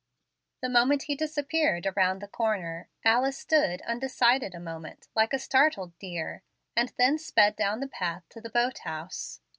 The moment he disappeared around the corner, Alice stood undecided a moment, like a startled deer, and then sped down the path to the boat house.